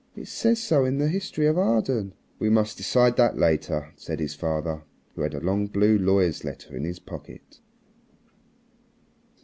It says so in the 'History of Arden.'" "We must decide that later," said his father, who had a long blue lawyer's letter in his pocket.